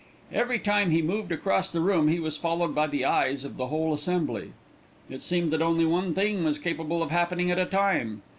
Every time he moved across the room he was followed by the eyes of the whole assembly. It seemed that only one thing was capable of happening at a time.